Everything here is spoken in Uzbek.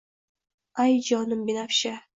Ay jonim binafsha